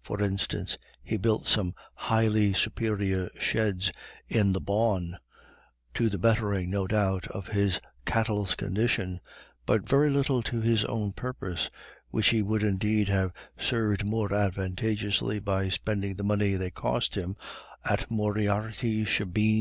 For instance, he built some highly superior sheds in the bawn, to the bettering, no doubt, of his cattle's condition, but very little to his own purpose, which he would indeed have served more advantageously by spending the money they cost him at Moriarty's shebeen.